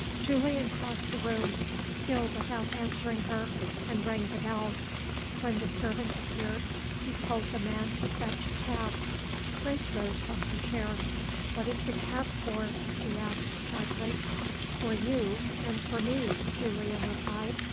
Julian crossed the room still without answering her and rang the bell. When the servant appeared, he told the man to fetch a cab. Grace rose from her chair. "What is the cab for?" she asked, sharply. "For you and for me," Julian replied.